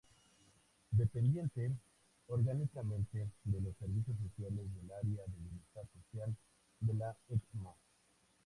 Dependiente orgánicamente de los servicios sociales del área de Bienestar Social de la Excma.